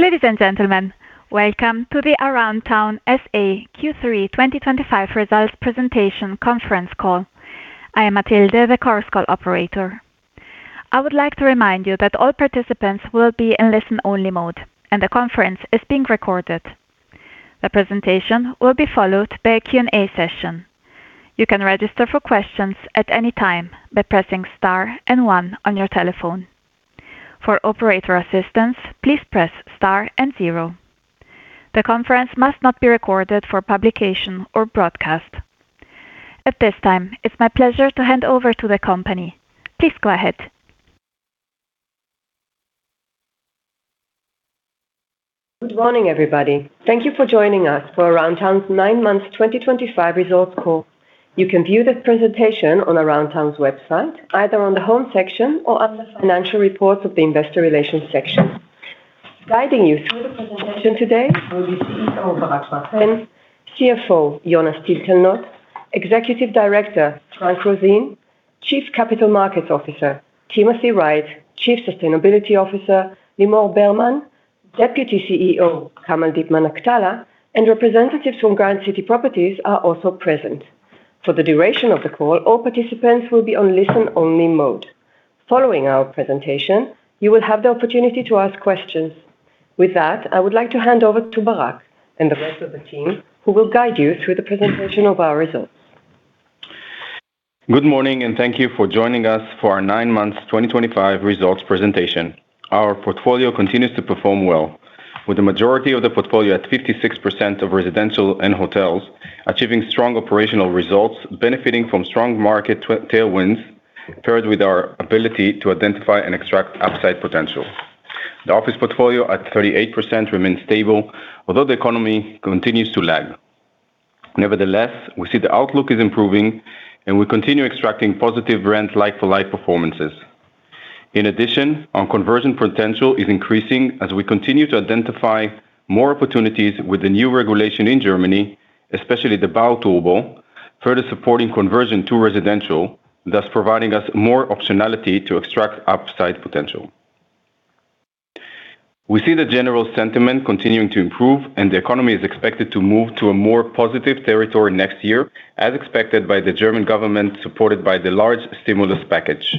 Ladies and gentlemen, welcome to the Aroundtown SA Q3 2025 results presentation conference call. I am Matilde, the course call operator. I would like to remind you that all participants will be in listen-only mode, and the conference is being recorded. The presentation will be followed by a Q&A session. You can register for questions at any time by pressing star and one on your telephone. For operator assistance, please press star and zero. The conference must not be recorded for publication or broadcast. At this time, it's my pleasure to hand over to the company. Please go ahead. Good morning, everybody. Thank you for joining us for Aroundtown's 9 months 2025 results call. You can view this presentation on Aroundtown's website, either on the home section or on the financial reports of the investor relations section. Guiding you through the presentation today will be CEO Barak Bar-Hen, CFO Jonas Tintelnot, Executive Director Frank Roseen, Chief Capital Markets Officer Timothy Wright, Chief Sustainability Officer Limor Bermann, Deputy CEO Kamaldeep Manaktala, and representatives from Grand City Properties are also present. For the duration of the call, all participants will be on listen-only mode. Following our presentation, you will have the opportunity to ask questions. With that, I would like to hand over to Barak and the rest of the team who will guide you through the presentation of our results. Good morning, and thank you for joining us for our nine months 2025 results presentation. Our portfolio continues to perform well, with the majority of the portfolio at 56% of residential and hotels, achieving strong operational results, benefiting from strong market tailwinds paired with our ability to identify and extract upside potential. The office portfolio at 38% remains stable, although the economy continues to lag. Nevertheless, we see the outlook is improving, and we continue extracting positive rent-like-for-like performances. In addition, our conversion potential is increasing as we continue to identify more opportunities with the new regulation in Germany, especially the Bauturbo, further supporting conversion to residential, thus providing us more optionality to extract upside potential. We see the general sentiment continuing to improve, and the economy is expected to move to a more positive territory next year, as expected by the German government, supported by the large stimulus package.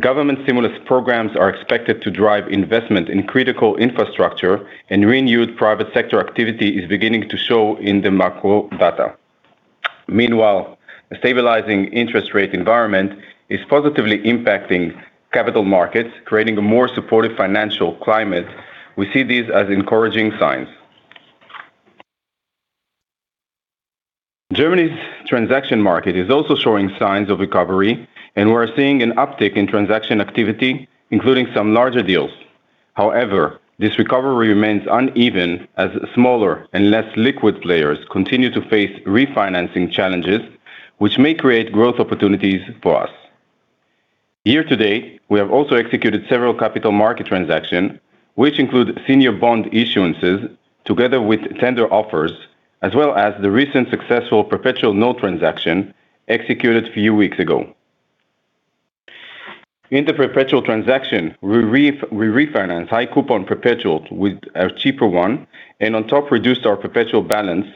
Government stimulus programs are expected to drive investment in critical infrastructure, and renewed private sector activity is beginning to show in the macro data. Meanwhile, a stabilizing interest rate environment is positively impacting capital markets, creating a more supportive financial climate. We see these as encouraging signs. Germany's transaction market is also showing signs of recovery, and we are seeing an uptick in transaction activity, including some larger deals. However, this recovery remains uneven as smaller and less liquid players continue to face refinancing challenges, which may create growth opportunities for us. Here today, we have also executed several capital market transactions, which include senior bond issuances together with tender offers, as well as the recent successful perpetual note transaction executed a few weeks ago. In the perpetual transaction, we refinanced high coupon perpetuals with a cheaper one and, on top, reduced our perpetual balance,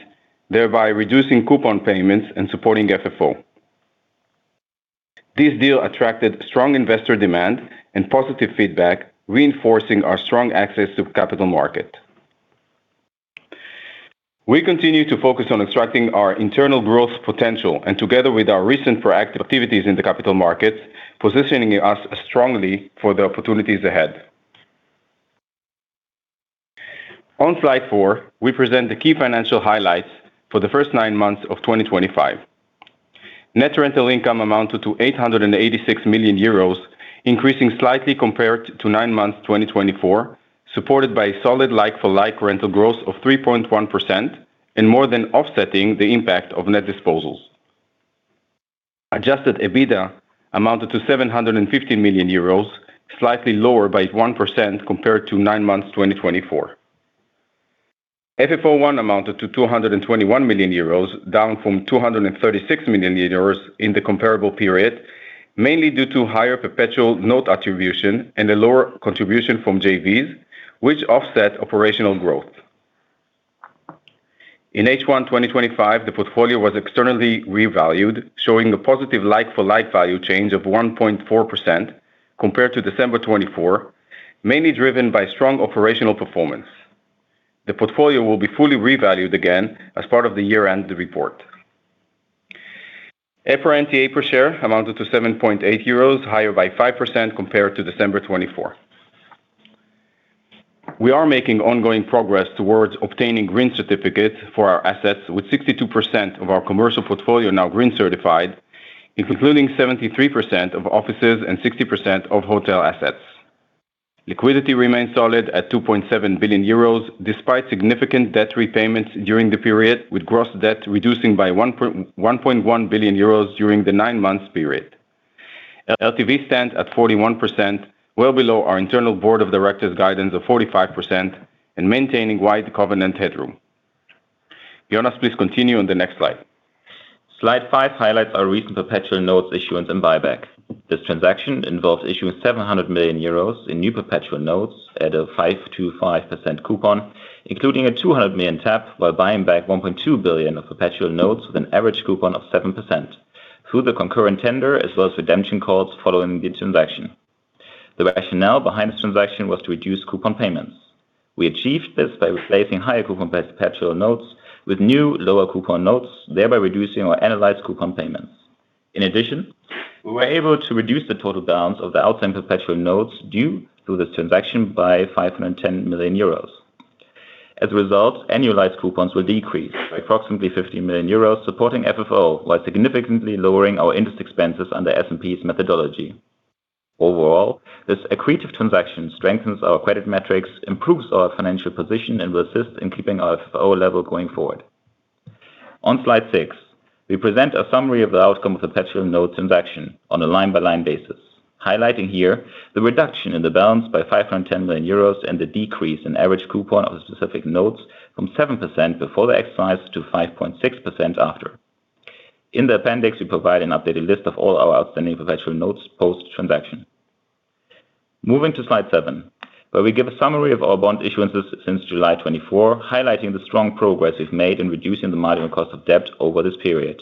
thereby reducing coupon payments and supporting FFO. This deal attracted strong investor demand and positive feedback, reinforcing our strong access to capital market. We continue to focus on extracting our internal growth potential, and together with our recent proactive activities in the capital markets, positioning us strongly for the opportunities ahead. On slide four, we present the key financial highlights for the first nine months of 2025. Net rental income amounted to 886 million euros, increasing slightly compared to nine months 2024, supported by a solid like-for-like rental growth of 3.1% and more than offsetting the impact of net disposals. Adjusted EBITDA amounted to 715 million euros, slightly lower by 1% compared to nine months 2024. FFO1 amounted to 221 million euros, down from 236 million euros in the comparable period, mainly due to higher perpetual note attribution and a lower contribution from JVs, which offset operational growth. In H1 2025, the portfolio was externally revalued, showing a positive like-for-like value change of 1.4% compared to December 2024, mainly driven by strong operational performance. The portfolio will be fully revalued again as part of the year-end report. EPRA NTA per share amounted to 7.8 euros, higher by 5% compared to December 2024. We are making ongoing progress towards obtaining green certificates for our assets, with 62% of our commercial portfolio now green certified, including 73% of offices and 60% of hotel assets. Liquidity remains solid at 2.7 billion euros, despite significant debt repayments during the period, with gross debt reducing by 1.1 billion euros during the nine-month period. LTV stands at 41%, well below our internal board of directors' guidance of 45%, and maintaining wide covenant headroom. Jonas, please continue on the next slide. Slide five highlights our recent perpetual notes issuance and buyback. This transaction involves issuing 700 million euros in new perpetual notes at a 5.25% coupon, including a 200 million tap, while buying back 1.2 billion of perpetual notes with an average coupon of 7% through the concurrent tender as well as redemption calls following the transaction. The rationale behind this transaction was to reduce coupon payments. We achieved this by replacing higher coupon perpetual notes with new lower coupon notes, thereby reducing our annualized coupon payments. In addition, we were able to reduce the total balance of the outstanding perpetual notes due to this transaction by 510 million euros. As a result, annualized coupons will decrease by approximately 15 million euros, supporting FFO while significantly lowering our interest expenses under S&P's methodology. Overall, this accretive transaction strengthens our credit metrics, improves our financial position, and will assist in keeping our FFO level going forward. On slide six, we present a summary of the outcome of the perpetual note transaction on a line-by-line basis, highlighting here the reduction in the balance by 510 million euros and the decrease in average coupon of the specific notes from 7% before the exercise to 5.6% after. In the appendix, we provide an updated list of all our outstanding perpetual notes post-transaction. Moving to slide seven, where we give a summary of our bond issuances since July 2024, highlighting the strong progress we've made in reducing the marginal cost of debt over this period.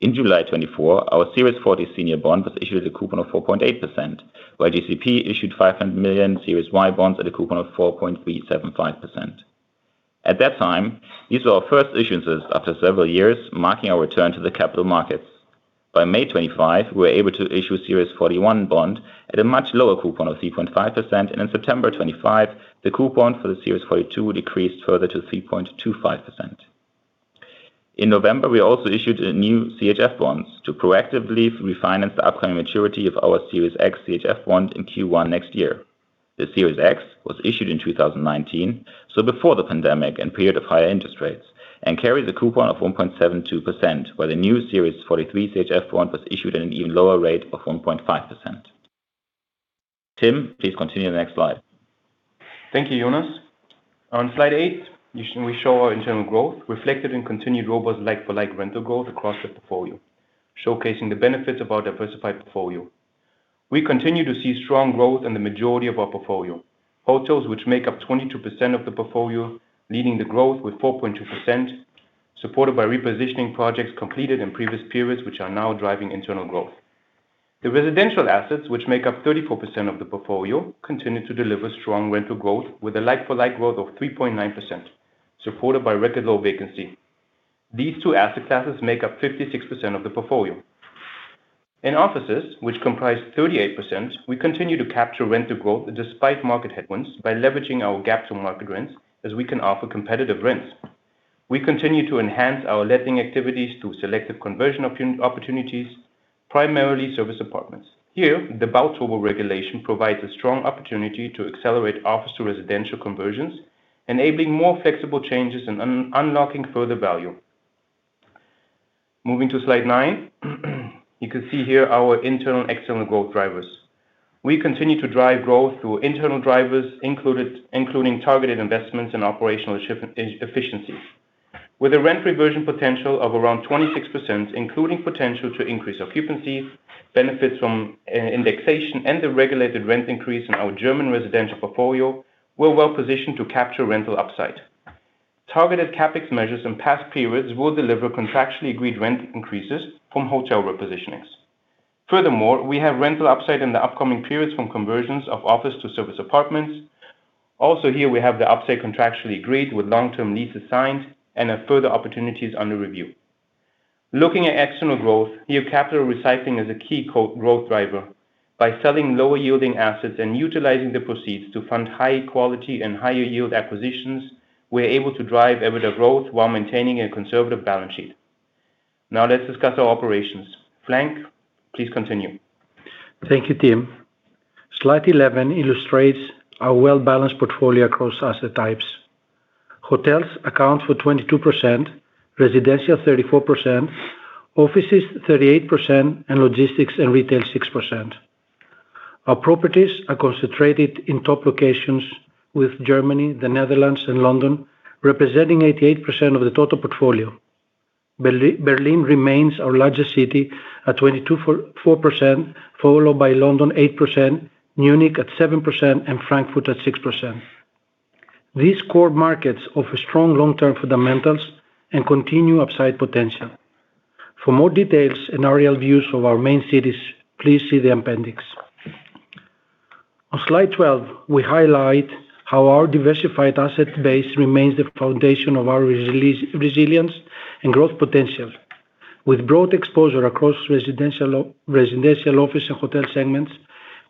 In July 2024, our Series 40 senior bond was issued at a coupon of 4.8%, while GCP issued 500 million Series Y bonds at a coupon of 4.375%. At that time, these were our first issuances after several years, marking our return to the capital markets. By May 25, we were able to issue Series 41 bond at a much lower coupon of 3.5%, and in September 25, the coupon for the Series 42 decreased further to 3.25%. In November, we also issued new CHF bonds to proactively refinance the upcoming maturity of our Series X CHF bond in Q1 next year. The Series X was issued in 2019, so before the pandemic and period of higher interest rates, and carries a coupon of 1.72%, while the new Series 43 CHF bond was issued at an even lower rate of 1.5%. Tim, please continue the next slide. Thank you, Jonas. On slide eight, we show our internal growth reflected in continued robust like-for-like rental growth across the portfolio, showcasing the benefits of our diversified portfolio. We continue to see strong growth in the majority of our portfolio, hotels which make up 22% of the portfolio, leading the growth with 4.2%, supported by repositioning projects completed in previous periods, which are now driving internal growth. The residential assets, which make up 34% of the portfolio, continue to deliver strong rental growth with a like-for-like growth of 3.9%, supported by record low vacancy. These two asset classes make up 56% of the portfolio. In offices, which comprise 38%, we continue to capture rental growth despite market headwinds by leveraging our gap to market rents as we can offer competitive rents. We continue to enhance our letting activities through selective conversion opportunities, primarily service apartments. Here, the Bauturbo regulation provides a strong opportunity to accelerate office to residential conversions, enabling more flexible changes and unlocking further value. Moving to slide nine, you can see here our internal and external growth drivers. We continue to drive growth through internal drivers, including targeted investments and operational efficiency. With a rent reversion potential of around 26%, including potential to increase occupancy, benefits from indexation, and the regulated rent increase in our German residential portfolio, we're well positioned to capture rental upside. Targeted CapEx measures in past periods will deliver contractually agreed rent increases from hotel repositionings. Furthermore, we have rental upside in the upcoming periods from conversions of office to service apartments. Also, here we have the upside contractually agreed with long-term leases signed and further opportunities under review. Looking at external growth, here capital recycling is a key growth driver by selling lower-yielding assets and utilizing the proceeds to fund high-quality and higher-yield acquisitions, we're able to drive EBITDA growth while maintaining a conservative balance sheet. Now, let's discuss our operations. Frank, please continue. Thank you, Tim. Slide 11 illustrates our well-balanced portfolio across asset types. Hotels account for 22%, residential 34%, offices 38%, and logistics and retail 6%. Our properties are concentrated in top locations with Germany, the Netherlands, and London, representing 88% of the total portfolio. Berlin remains our largest city at 24%, followed by London 8%, Munich at 7%, and Frankfurt at 6%. These core markets offer strong long-term fundamentals and continue upside potential. For more details and aerial views of our main cities, please see the appendix. On slide 12, we highlight how our diversified asset base remains the foundation of our resilience and growth potential. With broad exposure across residential, office, and hotel segments,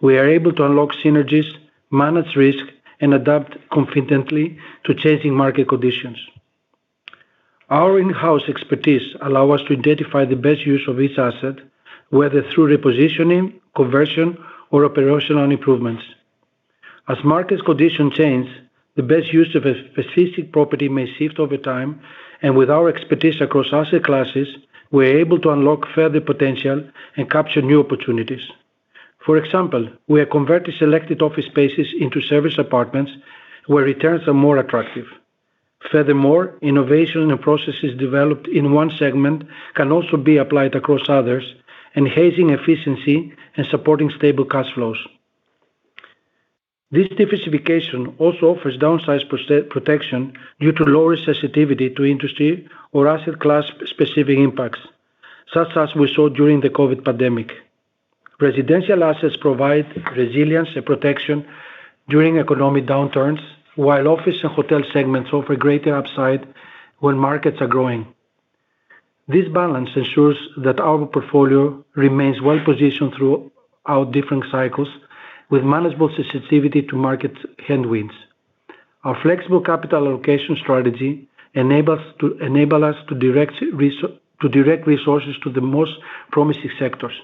we are able to unlock synergies, manage risk, and adapt confidently to changing market conditions. Our in-house expertise allows us to identify the best use of each asset, whether through repositioning, conversion, or operational improvements. As market conditions change, the best use of a specific property may shift over time, and with our expertise across asset classes, we are able to unlock further potential and capture new opportunities. For example, we have converted selected office spaces into service apartments, where returns are more attractive. Furthermore, innovation and processes developed in one segment can also be applied across others, enhancing efficiency and supporting stable cash flows. This diversification also offers downsize protection due to lower sensitivity to industry or asset class-specific impacts, such as we saw during the COVID pandemic. Residential assets provide resilience and protection during economic downturns, while office and hotel segments offer greater upside when markets are growing. This balance ensures that our portfolio remains well-positioned throughout different cycles with manageable sensitivity to market headwinds. Our flexible capital allocation strategy enables us to direct resources to the most promising sectors,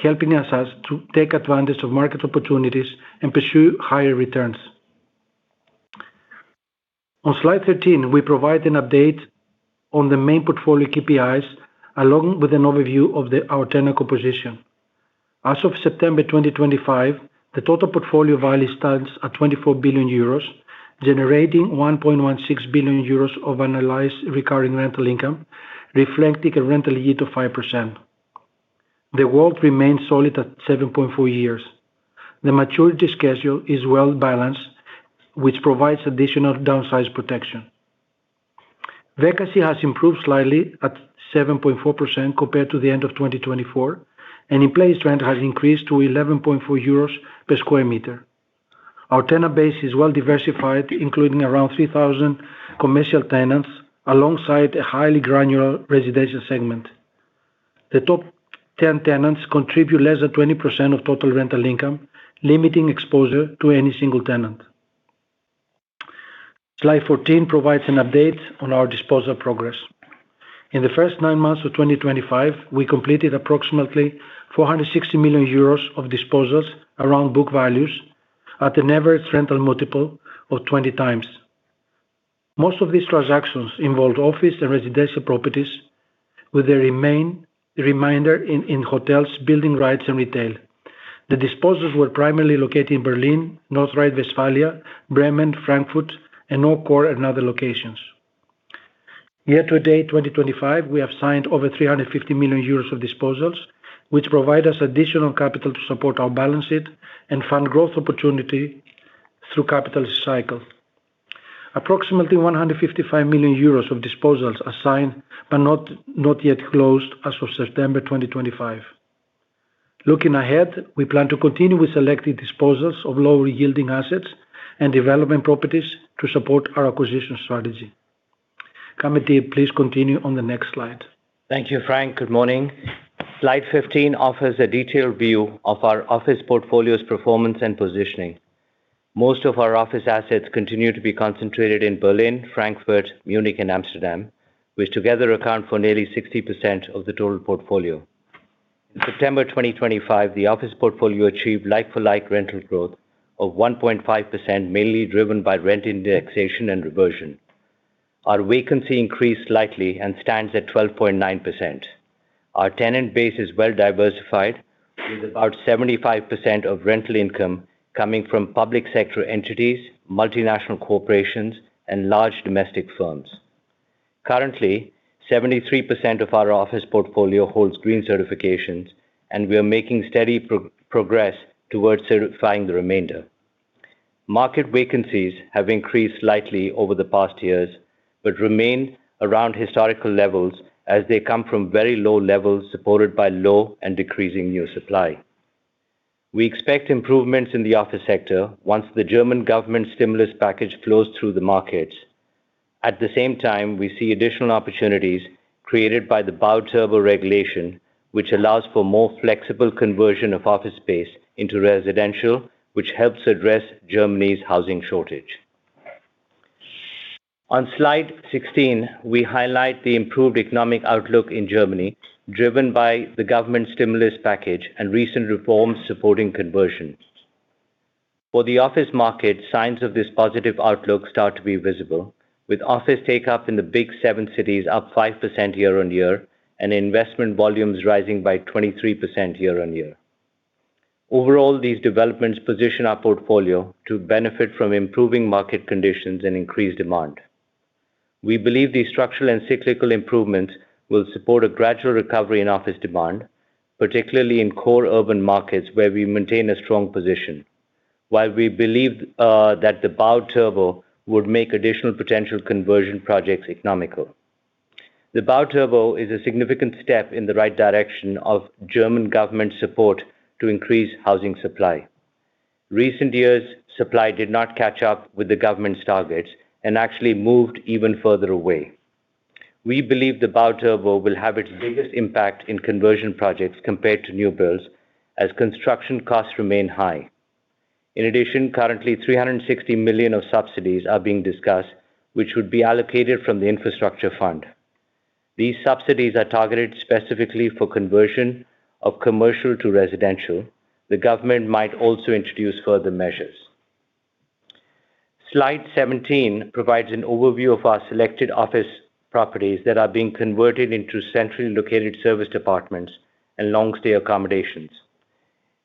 helping us to take advantage of market opportunities and pursue higher returns. On slide 13, we provide an update on the main portfolio KPIs along with an overview of our tenure composition. As of September 2025, the total portfolio value stands at 24 billion euros, generating 1.16 billion euros of analyzed recurring rental income, reflecting a rental yield of 5%. The growth remains solid at 7.4 years. The maturity schedule is well-balanced, which provides additional downsize protection. Vacancy has improved slightly at 7.4% compared to the end of 2024, and in-place rent has increased to 11.4 euros per sq m. Our tenant base is well-diversified, including around 3,000 commercial tenants alongside a highly granular residential segment. The top 10 tenants contribute less than 20% of total rental income, limiting exposure to any single tenant. Slide 14 provides an update on our disposal progress. In the first nine months of 2025, we completed approximately 460 million euros of disposals around book values at an average rental multiple of 20 times. Most of these transactions involved office and residential properties, with a remaining reminder in hotels, building rights, and retail. The disposals were primarily located in Berlin, North Rhine-Westphalia, Bremen, Frankfurt, and Osnabrück, and other locations. Yet today, 2025, we have signed over 350 million euros of disposals, which provide us additional capital to support our balance sheet and fund growth opportunity through capital cycle. Approximately 155 million euros of disposals are signed but not yet closed as of September 2025. Looking ahead, we plan to continue with selected disposals of lower-yielding assets and development properties to support our acquisition strategy. Kamaldeep, please continue on the next slide. Thank you, Frank. Good morning. Slide 15 offers a detailed view of our office portfolio's performance and positioning. Most of our office assets continue to be concentrated in Berlin, Frankfurt, Munich, and Amsterdam, which together account for nearly 60% of the total portfolio. In September 2025, the office portfolio achieved like-for-like rental growth of 1.5%, mainly driven by rent indexation and reversion. Our vacancy increased slightly and stands at 12.9%. Our tenant base is well-diversified, with about 75% of rental income coming from public sector entities, multinational corporations, and large domestic firms. Currently, 73% of our office portfolio holds green certifications, and we are making steady progress towards certifying the remainder. Market vacancies have increased slightly over the past years but remain around historical levels as they come from very low levels supported by low and decreasing new supply. We expect improvements in the office sector once the German government stimulus package flows through the markets. At the same time, we see additional opportunities created by the Bauturbo regulation, which allows for more flexible conversion of office space into residential, which helps address Germany's housing shortage. On slide 16, we highlight the improved economic outlook in Germany, driven by the government stimulus package and recent reforms supporting conversion. For the office market, signs of this positive outlook start to be visible, with office take-up in the Big 7 cities up 5% year-on-year and investment volumes rising by 23% year-on-year. Overall, these developments position our portfolio to benefit from improving market conditions and increased demand. We believe these structural and cyclical improvements will support a gradual recovery in office demand, particularly in core urban markets where we maintain a strong position, while we believe that the Bauturbo would make additional potential conversion projects economical. The Bauturbo is a significant step in the right direction of German government support to increase housing supply. In recent years, supply did not catch up with the government's targets and actually moved even further away. We believe the Bauturbo will have its biggest impact in conversion projects compared to new builds as construction costs remain high. In addition, currently, 360 million of subsidies are being discussed, which would be allocated from the Infrastructure Fund. These subsidies are targeted specifically for conversion of commercial to residential. The government might also introduce further measures. Slide 17 provides an overview of our selected office properties that are being converted into centrally located service departments and long-stay accommodations.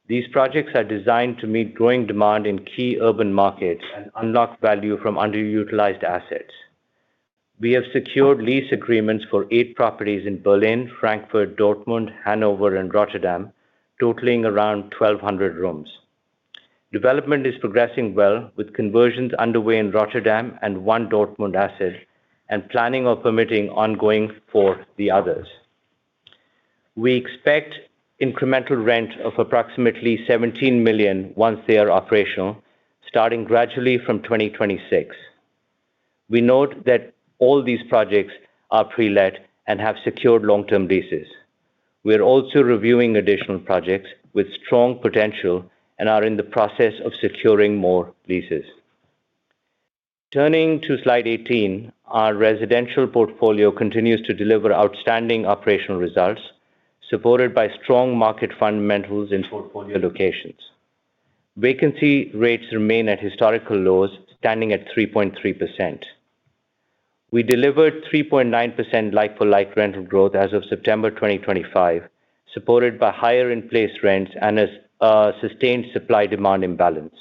These projects are designed to meet growing demand in key urban markets and unlock value from underutilized assets. We have secured lease agreements for eight properties in Berlin, Frankfurt, Dortmund, Hanover, and Rotterdam, totaling around 1,200 rooms. Development is progressing well, with conversions underway in Rotterdam and one Dortmund asset and planning and permitting ongoing for the others. We expect incremental rent of approximately 17 million once they are operational, starting gradually from 2026. We note that all these projects are pre-let and have secured long-term leases. We are also reviewing additional projects with strong potential and are in the process of securing more leases. Turning to slide 18, our residential portfolio continues to deliver outstanding operational results, supported by strong market fundamentals in portfolio locations. Vacancy rates remain at historical lows, standing at 3.3%. We delivered 3.9% like-for-like rental growth as of September 2025, supported by higher in-place rents and a sustained supply-demand imbalance.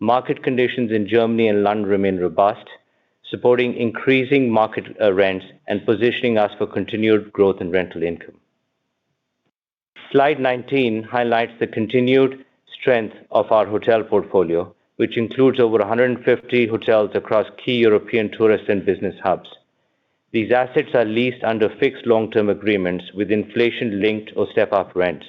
Market conditions in Germany and London remain robust, supporting increasing market rents and positioning us for continued growth in rental income. Slide 19 highlights the continued strength of our hotel portfolio, which includes over 150 hotels across key European tourist and business hubs. These assets are leased under fixed long-term agreements with inflation-linked or step-up rents.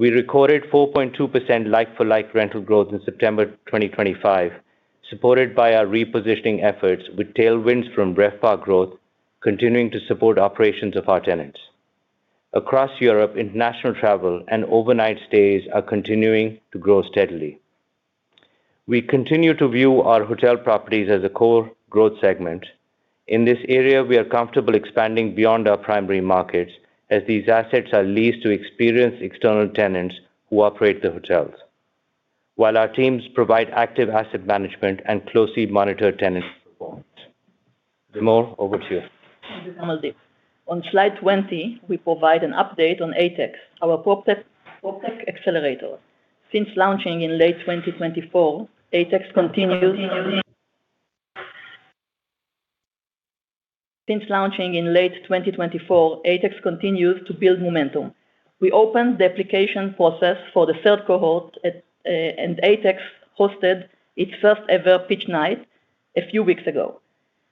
We recorded 4.2% like-for-like rental growth in September 2025, supported by our repositioning efforts, with tailwinds from breadth-bar growth continuing to support operations of our tenants. Across Europe, international travel and overnight stays are continuing to grow steadily. We continue to view our hotel properties as a core growth segment. In this area, we are comfortable expanding beyond our primary markets as these assets are leased to experienced external tenants who operate the hotels, while our teams provide active asset management and closely monitor tenant performance. The more over to you. On slide 20, we provide an update on ATEX, our pop-up accelerator. Since launching in late 2024, ATEX continues to build momentum. We opened the application process for the third cohort, and ATEX hosted its first-ever pitch night a few weeks ago.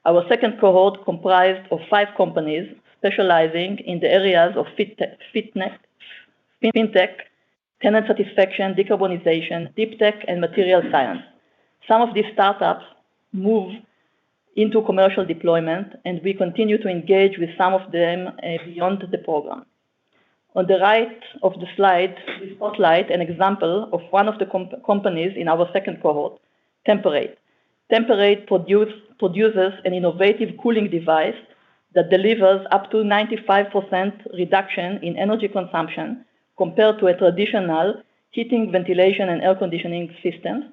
Our second cohort comprised of five companies specializing in the areas of fintech, tenant satisfaction, decarbonization, deep tech, and material science. Some of these startups move into commercial deployment, and we continue to engage with some of them beyond the program. On the right of the slide, we spotlight an example of one of the companies in our second cohort, Temperate. Temperate produces an innovative cooling device that delivers up to 95% reduction in energy consumption compared to a traditional heating, ventilation, and air conditioning system.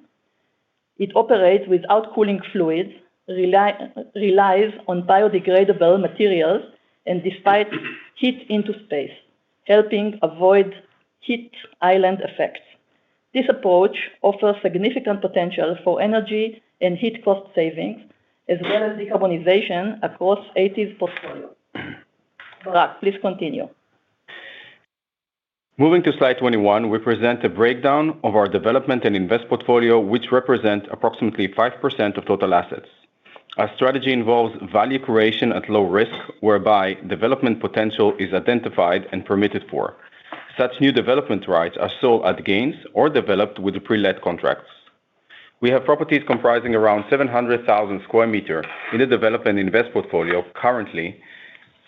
It operates without cooling fluids, relies on biodegradable materials, and disperses heat into space, helping avoid heat island effects. This approach offers significant potential for energy and heat cost savings, as well as decarbonization across ATEX's portfolio. Barak, please continue. Moving to slide 21, we present a breakdown of our development and invest portfolio, which represents approximately 5% of total assets. Our strategy involves value creation at low risk, whereby development potential is identified and permitted for. Such new development rights are sold at gains or developed with pre-let contracts. We have properties comprising around 700,000 sq m in the development invest portfolio currently,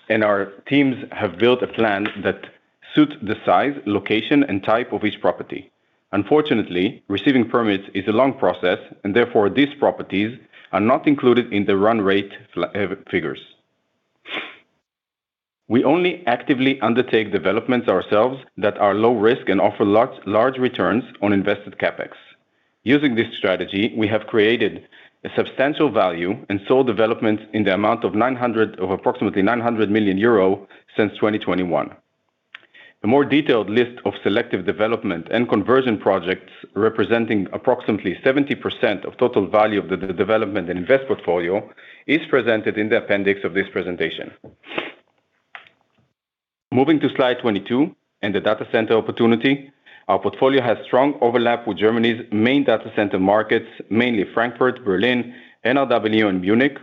and our teams have built a plan that suits the size, location, and type of each property. Unfortunately, receiving permits is a long process, and therefore these properties are not included in the run rate figures. We only actively undertake developments ourselves that are low risk and offer large returns on invested CapEx. Using this strategy, we have created a substantial value and sold developments in the amount of approximately 900 million euro since 2021. A more detailed list of selective development and conversion projects representing approximately 70% of total value of the development and invest portfolio is presented in the appendix of this presentation. Moving to slide 22 and the data center opportunity, our portfolio has strong overlap with Germany's main data center markets, mainly Frankfurt, Berlin, North Rhine-Westphalia, and Munich.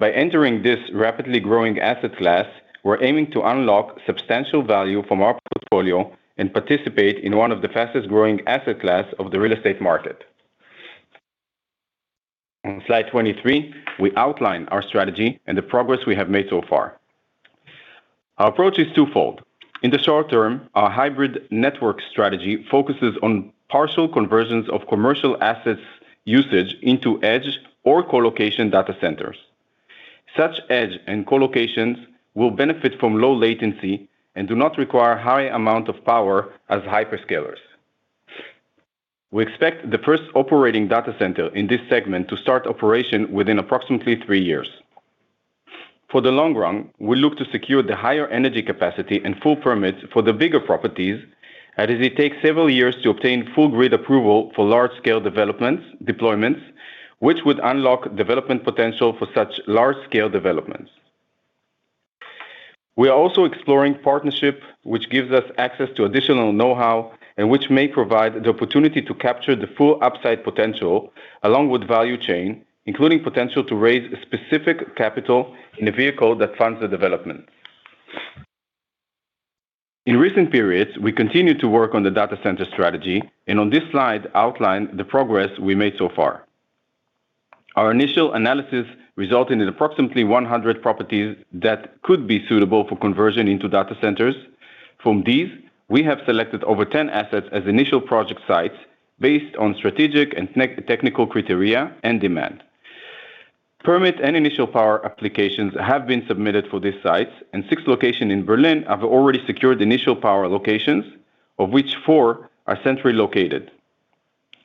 By entering this rapidly growing asset class, we're aiming to unlock substantial value from our portfolio and participate in one of the fastest-growing asset classes of the real estate market. On slide 23, we outline our strategy and the progress we have made so far. Our approach is twofold. In the short term, our hybrid network strategy focuses on partial conversions of commercial assets' usage into edge or co-location data centers. Such edge and co-locations will benefit from low latency and do not require a high amount of power as hyperscalers. We expect the first operating data center in this segment to start operation within approximately three years. For the long run, we look to secure the higher energy capacity and full permits for the bigger properties, as it takes several years to obtain full grid approval for large-scale developments, which would unlock development potential for such large-scale developments. We are also exploring partnership, which gives us access to additional know-how and which may provide the opportunity to capture the full upside potential along with value chain, including potential to raise specific capital in a vehicle that funds the development. In recent periods, we continue to work on the data center strategy, and on this slide, I outline the progress we made so far. Our initial analysis resulted in approximately 100 properties that could be suitable for conversion into data centers. From these, we have selected over 10 assets as initial project sites based on strategic and technical criteria and demand. Permit and initial power applications have been submitted for these sites, and six locations in Berlin have already secured initial power locations, of which four are centrally located.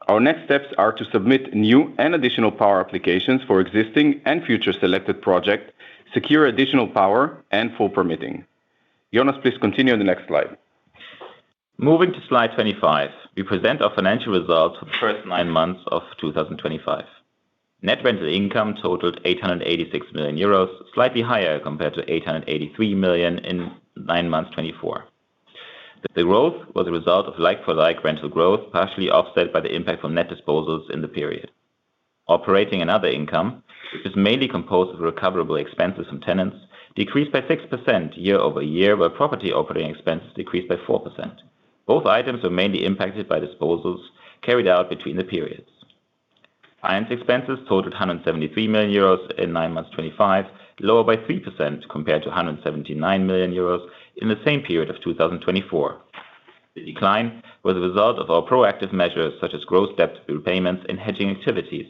Our next steps are to submit new and additional power applications for existing and future selected projects, secure additional power, and full permitting. Jonas, please continue on the next slide. Moving to slide 25, we present our financial results for the first nine months of 2025. Net rental income totaled 886 million euros, slightly higher compared to 883 million in nine months 2024. The growth was a result of like-for-like rental growth, partially offset by the impact on net disposals in the period. Operating and other income, which is mainly composed of recoverable expenses from tenants, decreased by 6% year-over-year, while property operating expenses decreased by 4%. Both items were mainly impacted by disposals carried out between the periods. Finance expenses totaled 173 million euros in nine months 2025, lower by 3% compared to 179 million euros in the same period of 2024. The decline was a result of our proactive measures, such as gross debt repayments and hedging activities,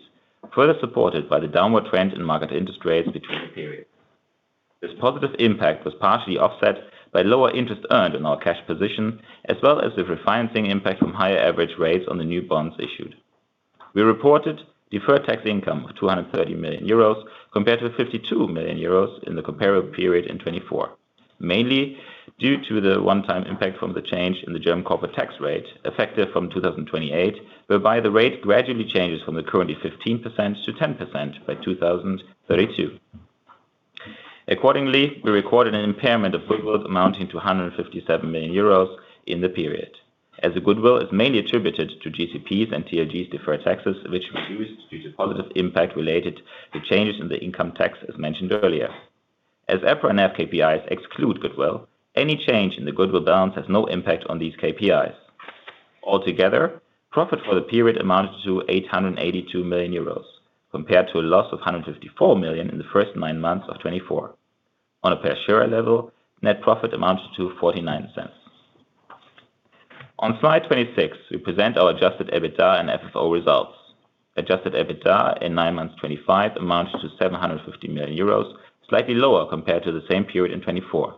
further supported by the downward trend in market interest rates between the periods. This positive impact was partially offset by lower interest earned on our cash position, as well as the refinancing impact from higher average rates on the new bonds issued. We reported deferred tax income of 230 million euros compared to 52 million euros in the comparable period in 2024, mainly due to the one-time impact from the change in the German corporate tax rate effective from 2028, whereby the rate gradually changes from the currently 15% to 10% by 2032. Accordingly, we recorded an impairment of goodwill amounting to 157 million euros in the period, as the goodwill is mainly attributed to Grand City Properties and TLG's deferred taxes, which we used due to positive impact related to changes in the income tax, as mentioned earlier. As EPRA and FKPIs exclude goodwill, any change in the goodwill balance has no impact on these KPIs. Altogether, profit for the period amounted to 882 million euros compared to a loss of 154 million in the first nine months of 2024. On a per-share level, net profit amounted to 0.49. On slide 26, we present our adjusted EBITDA and FFO results. Adjusted EBITDA in nine months 2025 amounted to 750 million euros, slightly lower compared to the same period in 2024.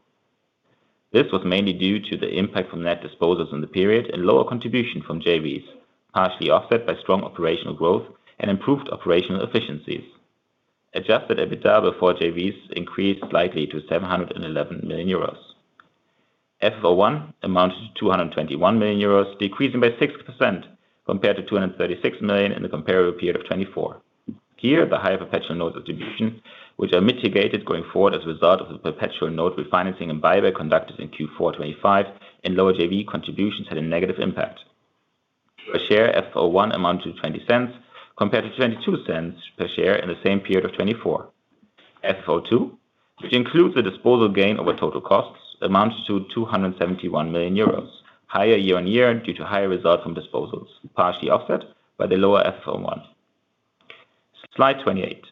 This was mainly due to the impact from net disposals in the period and lower contribution from JVs, partially offset by strong operational growth and improved operational efficiencies. Adjusted EBITDA before JVs increased slightly to 711 million euros. FFO1 amounted to 221 million euros, decreasing by 6% compared to 236 million in the comparable period of 2024. Here, the higher perpetual note attributions, which are mitigated going forward as a result of the perpetual note refinancing and buyback conducted in Q4 2025, and lower JV contributions had a negative impact. Per-share FFO1 amounted to 0.20 compared to 0.22 per share in the same period of 2024. FFO2, which includes the disposal gain over total costs, amounted to 271 million euros, higher year-on-year due to higher results from disposals, partially offset by the lower FFO1. Slide 28.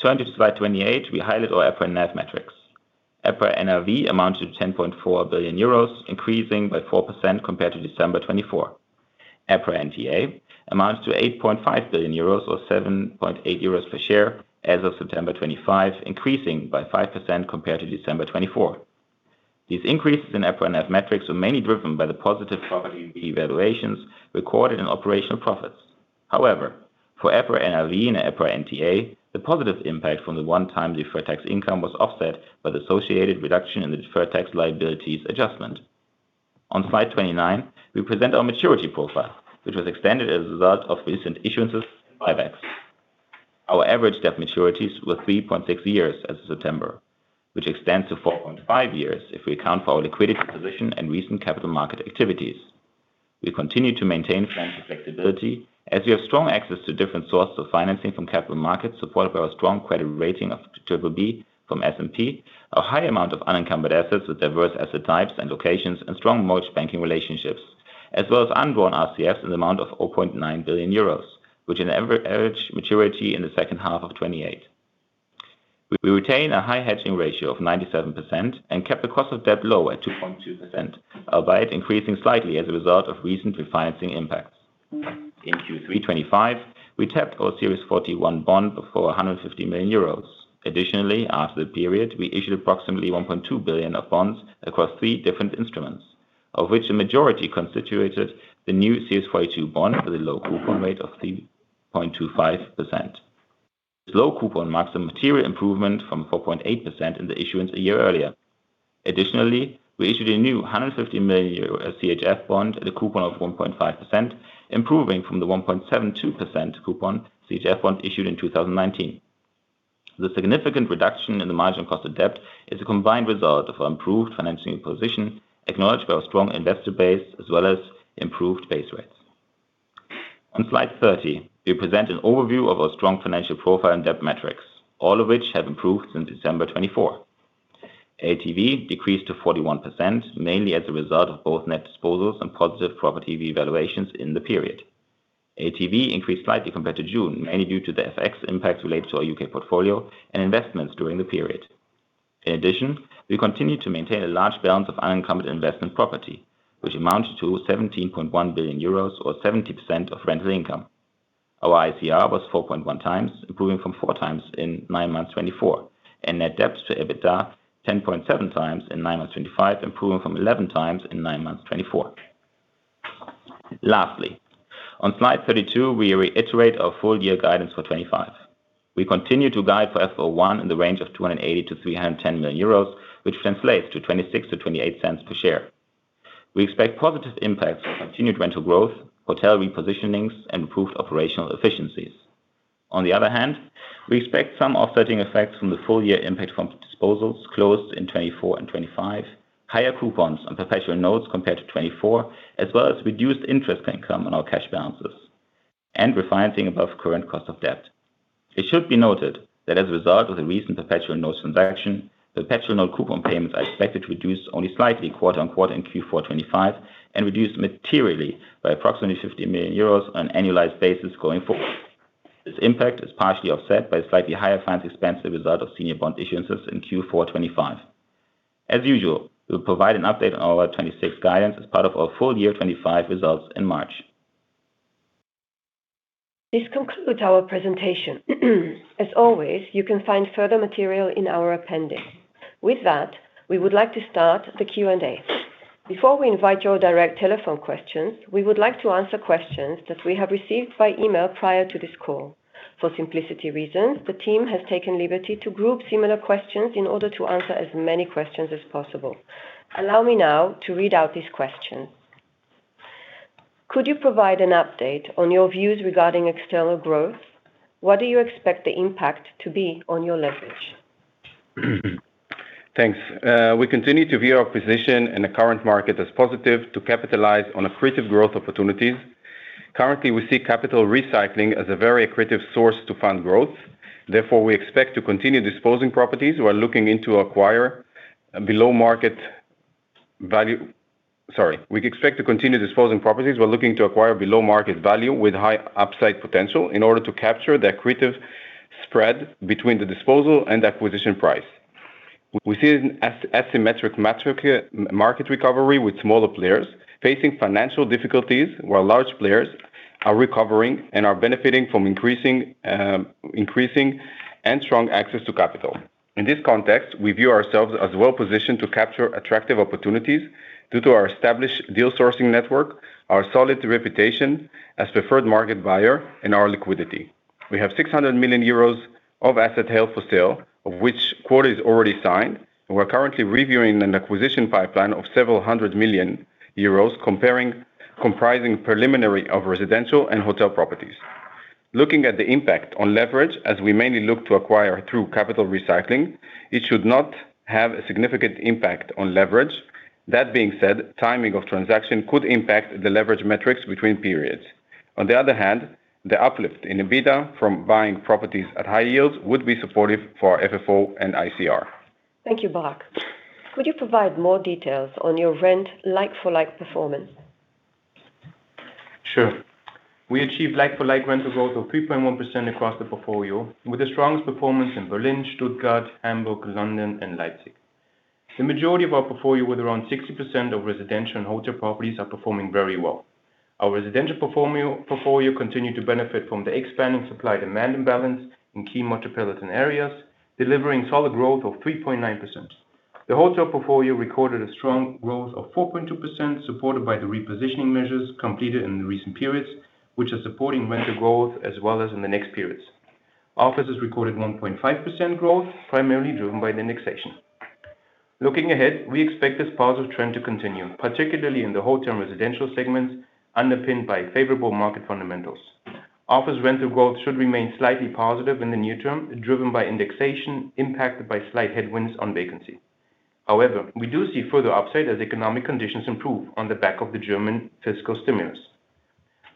Turning to slide 28, we highlight our EPRA and NAF metrics. EPRA NRV amounted to 10.4 billion euros, increasing by 4% compared to December 2024. EPRA NTA amounted to 8.5 billion euros, or 7.8 euros per share as of September 2025, increasing by 5% compared to December 2024. These increases in EPRA and NAF metrics were mainly driven by the positive property revaluations recorded in operational profits. However, for EPRA NRV and EPRA NTA, the positive impact from the one-time deferred tax income was offset by the associated reduction in the deferred tax liabilities adjustment. On slide 29, we present our maturity profile, which was extended as a result of recent issuances and buybacks. Our average debt maturities were 3.6 years as of September, which extends to 4.5 years if we account for our liquidity position and recent capital market activities. We continue to maintain financial flexibility as we have strong access to different sources of financing from capital markets, supported by our strong credit rating of BBB from S&P, our high amount of unencumbered assets with diverse asset types and locations, and strong merged banking relationships, as well as unborne RCFs in the amount of 0.9 billion euros, which averaged maturity in the second half of 2028. We retained a high hedging ratio of 97% and kept the cost of debt low at 2.2%, albeit increasing slightly as a result of recent refinancing impacts. In Q3 2025, we tapped our Series 41 bond for 150 million euros. Additionally, after the period, we issued approximately 1.2 billion of bonds across three different instruments, of which the majority constituted the new Series 42 bond with a low coupon rate of 3.25%. This low coupon marks a material improvement from 4.8% in the issuance a year earlier. Additionally, we issued a new CHF 150 million bond at a coupon of 1.5%, improving from the 1.72% coupon CHF bond issued in 2019. The significant reduction in the margin cost of debt is a combined result of our improved financing position, acknowledged by our strong investor base, as well as improved base rates. On slide 30, we present an overview of our strong financial profile and debt metrics, all of which have improved since December 2024. LTV decreased to 41%, mainly as a result of both net disposals and positive property revaluations in the period. LTV increased slightly compared to June, mainly due to the FX impacts related to our U.K. portfolio and investments during the period. In addition, we continue to maintain a large balance of unencumbered investment property, which amounted to 17.1 billion euros, or 70% of rental income. Our ICR was 4.1 times, improving from 4 times in nine months 2024, and net debt to EBITDA 10.7 times in nine months 2025, improving from 11 times in nine months 2024. Lastly, on slide 32, we reiterate our full-year guidance for 2025. We continue to guide for FFO1 in the range of 280 million-310 million euros, which translates to 0.26-0.28 per share. We expect positive impacts for continued rental growth, hotel repositionings, and improved operational efficiencies. On the other hand, we expect some offsetting effects from the full-year impact from disposals closed in 2024 and 2025, higher coupons on perpetual notes compared to 2024, as well as reduced interest income on our cash balances, and refinancing above current cost of debt. It should be noted that as a result of the recent perpetual notes transaction, perpetual note coupon payments are expected to reduce only slightly quarter on quarter in Q4 2025 and reduce materially by approximately 50 million euros on an annualized basis going forward. This impact is partially offset by slightly higher finance expense as a result of senior bond issuances in Q4 2025. As usual, we will provide an update on our 2026 guidance as part of our full-year 2025 results in March. This concludes our presentation. As always, you can find further material in our appendix. With that, we would like to start the Q&A. Before we invite your direct telephone questions, we would like to answer questions that we have received by email prior to this call. For simplicity reasons, the team has taken liberty to group similar questions in order to answer as many questions as possible. Allow me now to read out these questions. Could you provide an update on your views regarding external growth? What do you expect the impact to be on your leverage? Thanks. We continue to view our position in the current market as positive to capitalize on accretive growth opportunities. Currently, we see capital recycling as a very accretive source to fund growth. Therefore, we expect to continue disposing properties. We are looking to acquire below market value with high upside potential in order to capture the accretive spread between the disposal and acquisition price. We see an asymmetric market recovery with smaller players facing financial difficulties, while large players are recovering and are benefiting from increasing and strong access to capital. In this context, we view ourselves as well positioned to capture attractive opportunities due to our established deal sourcing network, our solid reputation as preferred market buyer, and our liquidity. We have 600 million euros of asset held for sale, of which a quarter is already signed, and we are currently reviewing an acquisition pipeline of several hundred million euros, comprising primarily of residential and hotel properties. Looking at the impact on leverage, as we mainly look to acquire through capital recycling, it should not have a significant impact on leverage. That being said, timing of transaction could impact the leverage metrics between periods. On the other hand, the uplift in EBITDA from buying properties at high yields would be supportive for FFO and ICR. Thank you, Barak. Could you provide more details on your rent like-for-like performance? Sure. We achieved like-for-like rental growth of 3.1% across the portfolio, with the strongest performance in Berlin, Stuttgart, Hamburg, London, and Leipzig. The majority of our portfolio, with around 60% of residential and hotel properties, are performing very well. Our residential portfolio continued to benefit from the expanding supply-demand imbalance in key metropolitan areas, delivering solid growth of 3.9%. The hotel portfolio recorded a strong growth of 4.2%, supported by the repositioning measures completed in the recent periods, which are supporting rental growth as well as in the next periods. Offices recorded 1.5% growth, primarily driven by the indexation. Looking ahead, we expect this positive trend to continue, particularly in the hotel and residential segments, underpinned by favorable market fundamentals. Office rental growth should remain slightly positive in the near term, driven by indexation impacted by slight headwinds on vacancy. However, we do see further upside as economic conditions improve on the back of the German fiscal stimulus.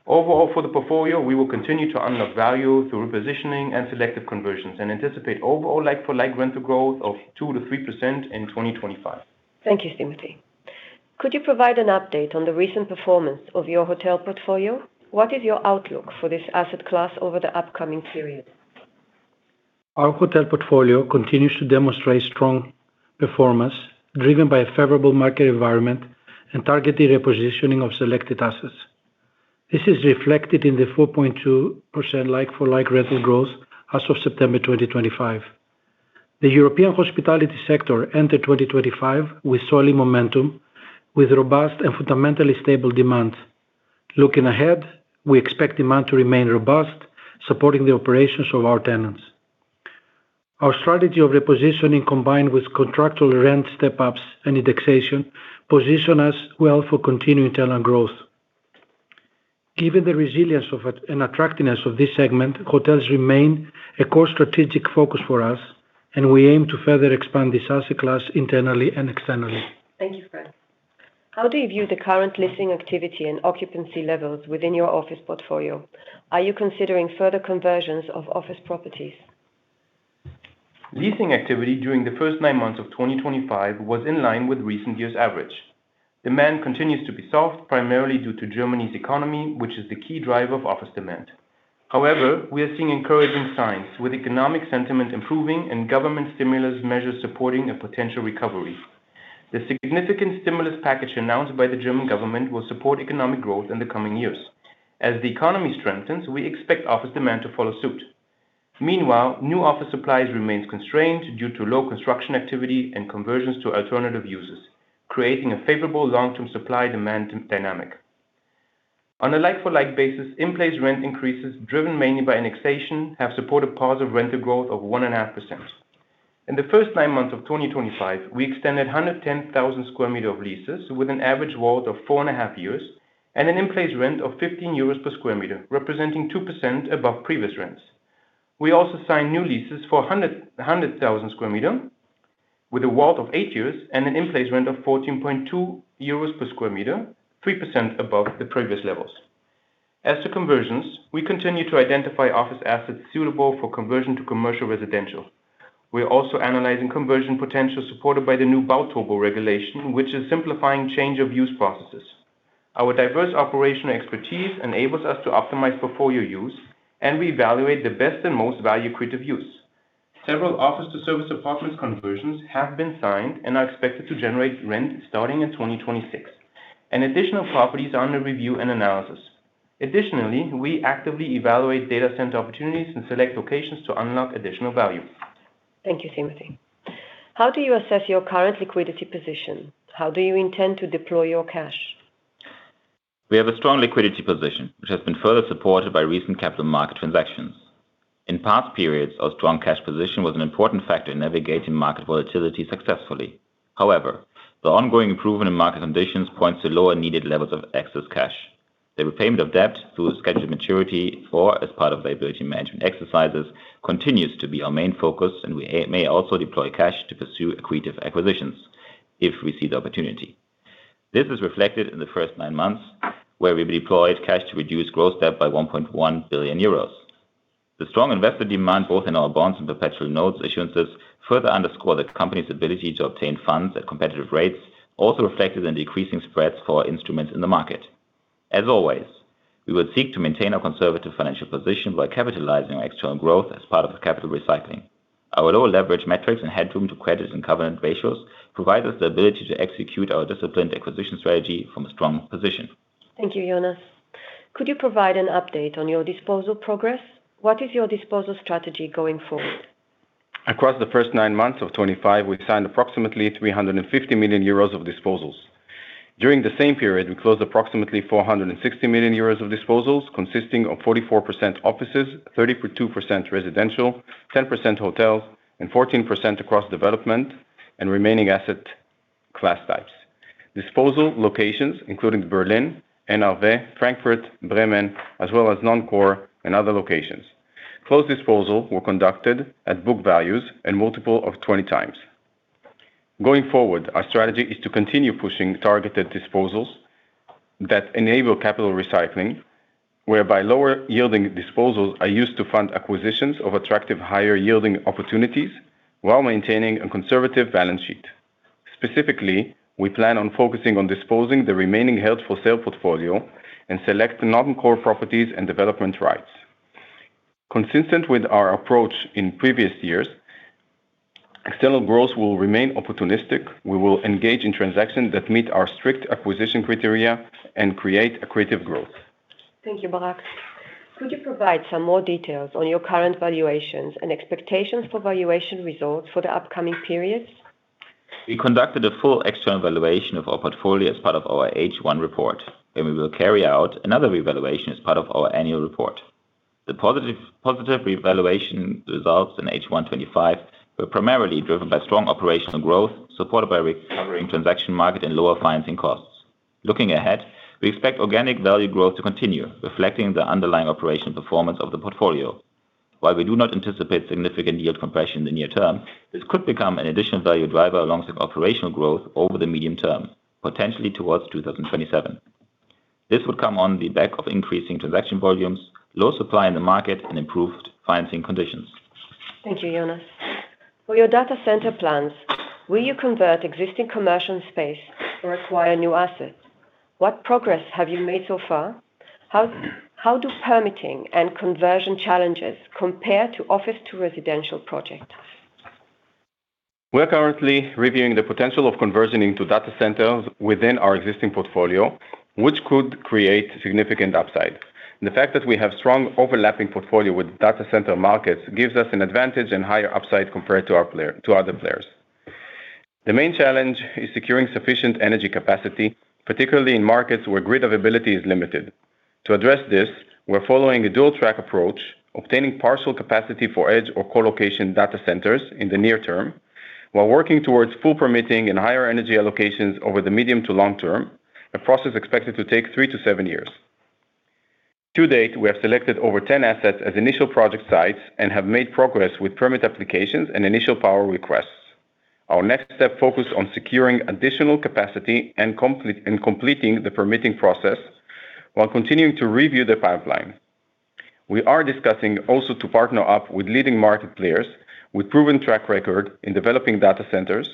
Overall, for the portfolio, we will continue to unlock value through repositioning and selective conversions and anticipate overall like-for-like rental growth of 2%-3% in 2025. Thank you, Timothy. Could you provide an update on the recent performance of your hotel portfolio? What is your outlook for this asset class over the upcoming period? Our hotel portfolio continues to demonstrate strong performance, driven by a favorable market environment and targeted repositioning of selected assets. This is reflected in the 4.2% like-for-like rental growth as of September 2025. The European hospitality sector entered 2025 with solid momentum, with robust and fundamentally stable demand. Looking ahead, we expect demand to remain robust, supporting the operations of our tenants. Our strategy of repositioning, combined with contractual rent step-ups and indexation, positions us well for continuing tenant growth. Given the resilience and attractiveness of this segment, hotels remain a core strategic focus for us, and we aim to further expand this asset class internally and externally. Thank you, Fred. How do you view the current listing activity and occupancy levels within your office portfolio? Are you considering further conversions of office properties? Leasing activity during the first nine months of 2025 was in line with recent years' average. Demand continues to be soft, primarily due to Germany's economy, which is the key driver of office demand. However, we are seeing encouraging signs, with economic sentiment improving and government stimulus measures supporting a potential recovery. The significant stimulus package announced by the German government will support economic growth in the coming years. As the economy strengthens, we expect office demand to follow suit. Meanwhile, new office supplies remain constrained due to low construction activity and conversions to alternative users, creating a favorable long-term supply-demand dynamic. On a like-for-like basis, in-place rent increases, driven mainly by indexation, have supported positive rental growth of 1.5%. In the first nine months of 2025, we extended 110,000 sq m of leases with an average warrant of 4.5 years and an in-place rent of 15 euros per sq m, representing 2% above previous rents. We also signed new leases for 100,000 sq m with a warrant of eight years and an in-place rent of 14.2 euros per sq m, 3% above the previous levels. As to conversions, we continue to identify office assets suitable for conversion to commercial residential. We are also analyzing conversion potential supported by the new Bauturbo regulation, which is simplifying change-of-use processes. Our diverse operational expertise enables us to optimize portfolio use and reevaluate the best and most value-creative use. Several office-to-service apartment conversions have been signed and are expected to generate rent starting in 2026. Additional properties are under review and analysis. Additionally, we actively evaluate data center opportunities and select locations to unlock additional value. Thank you, Timothy. How do you assess your current liquidity position? How do you intend to deploy your cash? We have a strong liquidity position, which has been further supported by recent capital market transactions. In past periods, our strong cash position was an important factor in navigating market volatility successfully. However, the ongoing improvement in market conditions points to lower needed levels of excess cash. The repayment of debt through scheduled maturity or as part of liability management exercises continues to be our main focus, and we may also deploy cash to pursue accretive acquisitions if we see the opportunity. This is reflected in the first nine months where we deployed cash to reduce gross debt by 1.1 billion euros. The strong investor demand, both in our bonds and perpetual notes issuances, further underscores the company's ability to obtain funds at competitive rates, also reflected in decreasing spreads for our instruments in the market. As always, we will seek to maintain our conservative financial position by capitalizing on external growth as part of capital recycling. Our low leverage metrics and headroom to credit and covenant ratios provide us the ability to execute our disciplined acquisition strategy from a strong position. Thank you, Jonas. Could you provide an update on your disposal progress? What is your disposal strategy going forward? Across the first nine months of 2025, we signed approximately 350 million euros of disposals. During the same period, we closed approximately 460 million euros of disposals, consisting of 44% offices, 32% residential, 10% hotels, and 14% across development and remaining asset class types. Disposal locations, including Berlin, Frankfurt, Bremen, as well as non-core and other locations. Closed disposals were conducted at book values and multiple of 20 times. Going forward, our strategy is to continue pushing targeted disposals that enable capital recycling, whereby lower-yielding disposals are used to fund acquisitions of attractive higher-yielding opportunities while maintaining a conservative balance sheet. Specifically, we plan on focusing on disposing the remaining held for sale portfolio and select non-core properties and development rights. Consistent with our approach in previous years, external growth will remain opportunistic. We will engage in transactions that meet our strict acquisition criteria and create accretive growth. Thank you, Barak. Could you provide some more details on your current valuations and expectations for valuation results for the upcoming periods? We conducted a full external valuation of our portfolio as part of our H1 report, and we will carry out another revaluation as part of our annual report. The positive revaluation results in H1 2025 were primarily driven by strong operational growth supported by recovering transaction market and lower financing costs. Looking ahead, we expect organic value growth to continue, reflecting the underlying operational performance of the portfolio. While we do not anticipate significant yield compression in the near term, this could become an additional value driver alongside operational growth over the medium term, potentially towards 2027. This would come on the back of increasing transaction volumes, low supply in the market, and improved financing conditions. Thank you, Jonas. For your data center plans, will you convert existing commercial space or acquire new assets? What progress have you made so far? How do permitting and conversion challenges compare to office-to-residential projects? We are currently reviewing the potential of conversion into data centers within our existing portfolio, which could create significant upside. The fact that we have strong overlapping portfolio with data center markets gives us an advantage and higher upside compared to other players. The main challenge is securing sufficient energy capacity, particularly in markets where grid availability is limited. To address this, we are following a dual-track approach, obtaining partial capacity for edge or co-location data centers in the near term, while working towards full permitting and higher energy allocations over the medium to long term, a process expected to take three to seven years. To date, we have selected over 10 assets as initial project sites and have made progress with permit applications and initial power requests. Our next step focuses on securing additional capacity and completing the permitting process while continuing to review the pipeline. We are discussing also partnering up with leading market players with proven track record in developing data centers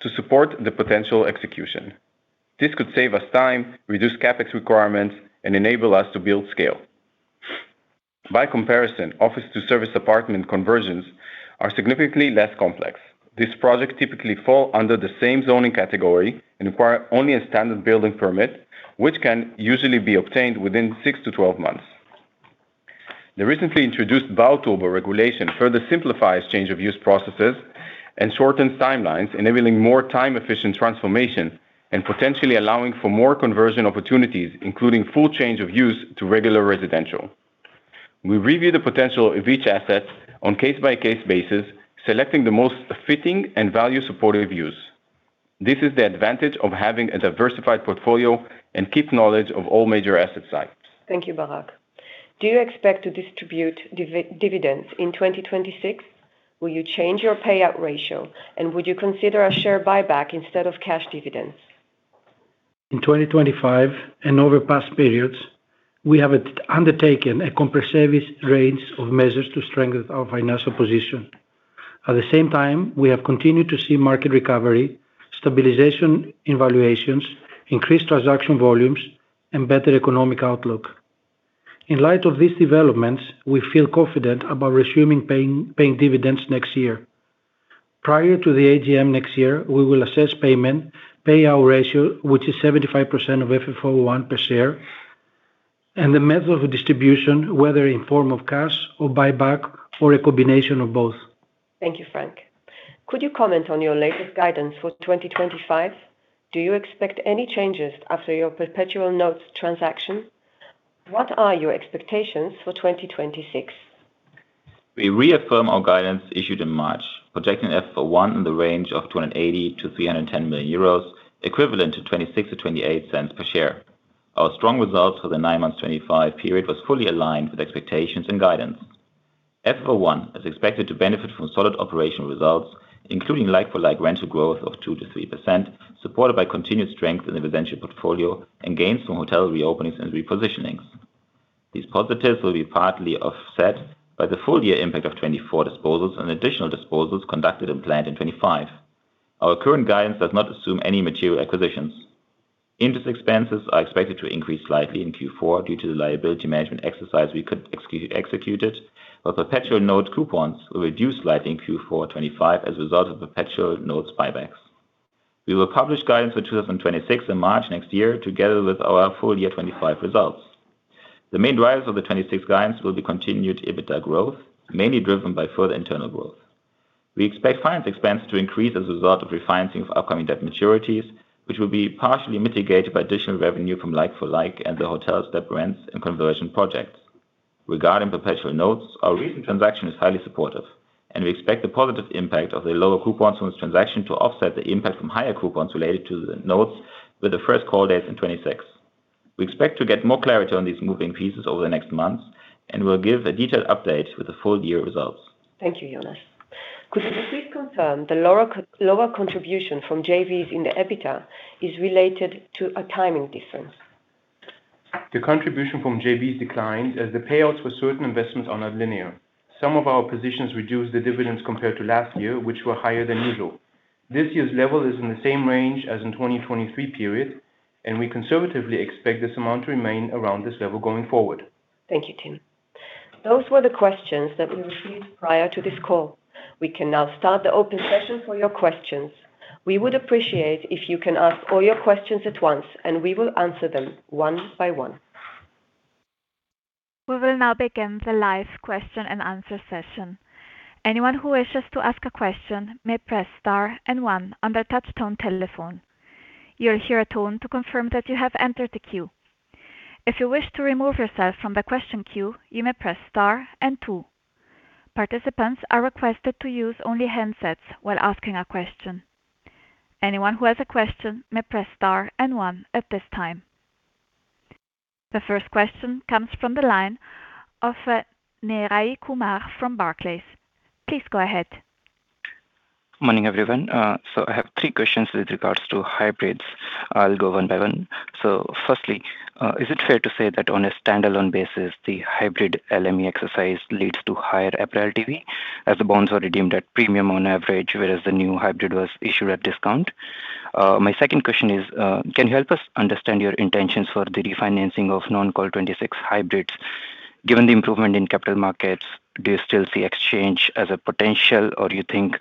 to support the potential execution. This could save us time, reduce CapEx requirements, and enable us to build scale. By comparison, office-to-service apartment conversions are significantly less complex. These projects typically fall under the same zoning category and require only a standard building permit, which can usually be obtained within 6 to 12 months. The recently introduced Bauturbo regulation further simplifies change-of-use processes and shortens timelines, enabling more time-efficient transformation and potentially allowing for more conversion opportunities, including full change-of-use to regular residential. We review the potential of each asset on a case-by-case basis, selecting the most fitting and value-supportive use. This is the advantage of having a diversified portfolio and keeping knowledge of all major asset types. Thank you, Barak. Do you expect to distribute dividends in 2026? Will you change your payout ratio, and would you consider a share buyback instead of cash dividends? In 2025 and over past periods, we have undertaken a comprehensive range of measures to strengthen our financial position. At the same time, we have continued to see market recovery, stabilization in valuations, increased transaction volumes, and better economic outlook. In light of these developments, we feel confident about resuming paying dividends next year. Prior to the AGM next year, we will assess payment, payout ratio, which is 75% of FFO1 per share, and the method of distribution, whether in the form of cash, a buyback, or a combination of both. Thank you, Frank. Could you comment on your latest guidance for 2025? Do you expect any changes after your perpetual notes transaction? What are your expectations for 2026? We reaffirm our guidance issued in March, projecting FFO1 in the range of 280 million-310 million euros, equivalent to 0.26-0.28 per share. Our strong results for the nine-month-2025 period were fully aligned with expectations and guidance. FFO1 is expected to benefit from solid operational results, including like-for-like rental growth of 2%-3%, supported by continued strength in the residential portfolio and gains from hotel reopenings and repositionings. These positives will be partly offset by the full-year impact of 24 disposals and additional disposals conducted and planned in 2025. Our current guidance does not assume any material acquisitions. Interest expenses are expected to increase slightly in Q4 due to the liability management exercise we executed, but perpetual notes coupons will reduce slightly in Q4 2025 as a result of perpetual notes buybacks. We will publish guidance for 2026 in March next year, together with our full-year 2025 results. The main drivers of the 2026 guidance will be continued EBITDA growth, mainly driven by further internal growth. We expect finance expenses to increase as a result of refinancing of upcoming debt maturities, which will be partially mitigated by additional revenue from like-for-like and the hotel step rents and conversion projects. Regarding perpetual notes, our recent transaction is highly supportive, and we expect the positive impact of the lower coupons from this transaction to offset the impact from higher coupons related to the notes with the first call dates in 2026. We expect to get more clarity on these moving pieces over the next months and will give a detailed update with the full-year results. Thank you, Jonas. Could you please confirm the lower contribution from JVs in the EBITDA is related to a timing difference? The contribution from JVs declined as the payouts for certain investments are not linear. Some of our positions reduced the dividends compared to last year, which were higher than usual. This year's level is in the same range as in the 2023 period, and we conservatively expect this amount to remain around this level going forward. Thank you, Tim. Those were the questions that we received prior to this call. We can now start the open session for your questions. We would appreciate it if you can ask all your questions at once, and we will answer them one by one. We will now begin the live question-and-answer session. Anyone who wishes to ask a question may press star and one on the touchstone telephone. You'll hear a tone to confirm that you have entered the queue. If you wish to remove yourself from the question queue, you may press star and two. Participants are requested to use only handsets while asking a question. Anyone who has a question may press star and one at this time. The first question comes from the line of Nehrae Kumar from Barclays. Please go ahead. Good morning, everyone. I have three questions with regards to hybrids. I'll go one by one. Firstly, is it fair to say that on a standalone basis, the hybrid LME exercise leads to higher apparent LTV as the bonds are redeemed at premium on average, whereas the new hybrid was issued at discount? My second question is, can you help us understand your intentions for the refinancing of non-core 2026 hybrids? Given the improvement in capital markets, do you still see exchange as a potential, or do you think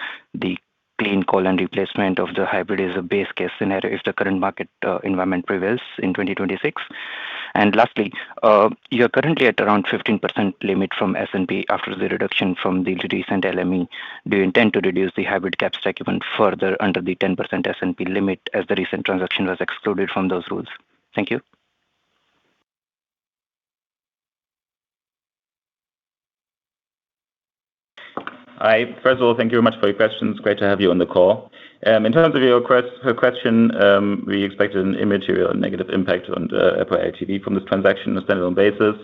the clean call and replacement of the hybrid is a base case scenario if the current market environment prevails in 2026? Lastly, you are currently at around 15% limit from S&P after the reduction from the recent LME. Do you intend to reduce the hybrid cap stack even further under the 10% S&P limit as the recent transaction was excluded from those rules? Thank you. Hi. First of all, thank you very much for your questions. Great to have you on the call. In terms of your question, we expected an immaterial negative impact on EPRA NTA from this transaction on a standalone basis.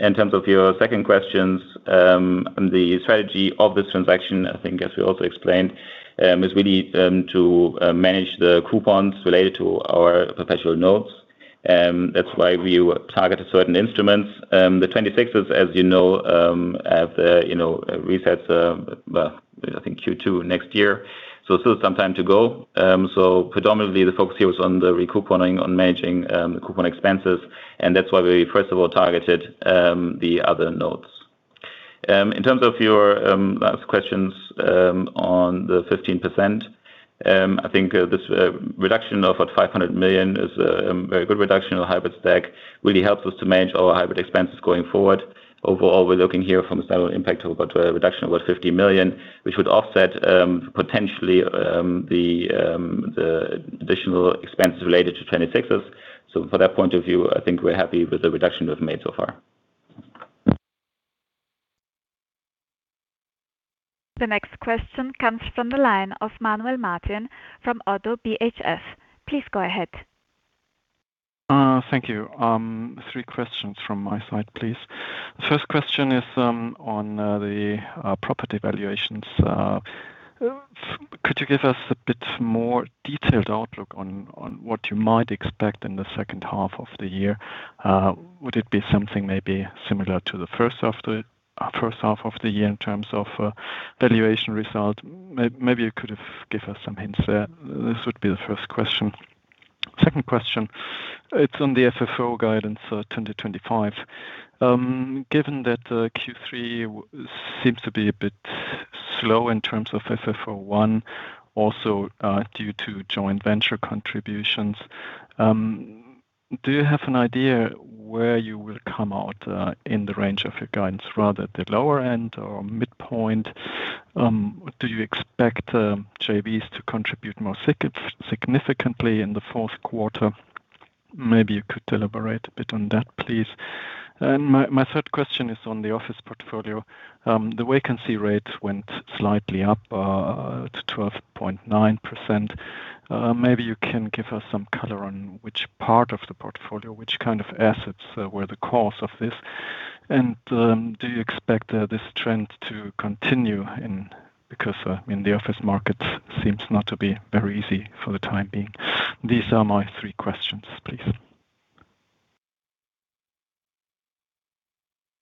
In terms of your second question, the strategy of this transaction, I think, as we also explained, is really to manage the coupons related to our perpetual notes. That is why we targeted certain instruments. The 26s, as you know, have the resets, I think, Q2 next year. Still some time to go. Predominantly, the focus here was on the recouponing, on managing the coupon expenses, and that is why we, first of all, targeted the other notes. In terms of your last questions on the 15%, I think this reduction of about €500 million is a very good reduction of the hybrid stack. It really helps us to manage our hybrid expenses going forward. Overall, we're looking here from a standalone impact of about a reduction of about 50 million, which would offset potentially the additional expenses related to 2026s. From that point of view, I think we're happy with the reduction we've made so far. The next question comes from the line of Manuel Martin from Odo BHS. Please go ahead. Thank you. Three questions from my side, please. The first question is on the property valuations. Could you give us a bit more detailed outlook on what you might expect in the second half of the year? Would it be something maybe similar to the first half of the year in terms of valuation result? Maybe you could have given us some hints there. This would be the first question. Second question, it's on the FFO guidance for 2025. Given that Q3 seems to be a bit slow in terms of FFO1, also due to joint venture contributions, do you have an idea where you will come out in the range of your guidance, rather at the lower end or midpoint? Do you expect JVs to contribute more significantly in the fourth quarter? Maybe you could elaborate a bit on that, please. My third question is on the office portfolio. The vacancy rate went slightly up to 12.9%. Maybe you can give us some color on which part of the portfolio, which kind of assets were the cause of this, and do you expect this trend to continue because the office market seems not to be very easy for the time being? These are my three questions, please.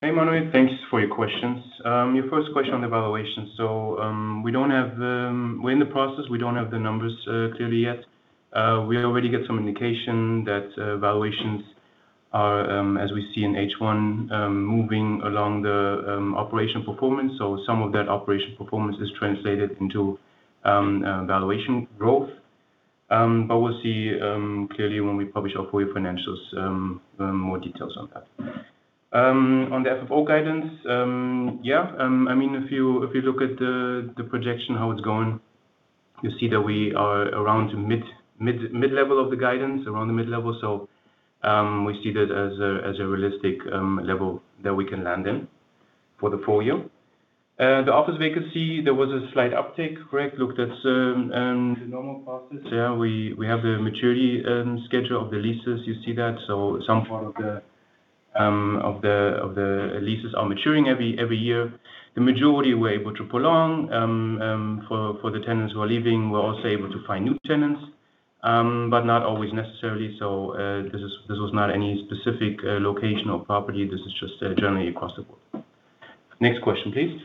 Hey, Manuel, thanks for your questions. Your first question on the valuation. We are in the process. We do not have the numbers clearly yet. We already get some indication that valuations are, as we see in H1, moving along the operational performance. Some of that operational performance is translated into valuation growth. We will see clearly when we publish our full-year financials more details on that. On the FFO guidance, yeah. I mean, if you look at the projection, how it is going, you see that we are around the mid-level of the guidance, around the mid-level. We see that as a realistic level that we can land in for the full year. The office vacancy, there was a slight uptake, correct? Looked at the normal process. We have the maturity schedule of the leases. You see that. Some part of the leases are maturing every year. The majority were able to prolong for the tenants who are leaving. We're also able to find new tenants, but not always necessarily. This was not any specific location or property. This is just generally across the board. Next question, please.